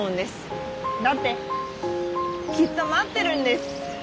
だってきっと待ってるんです。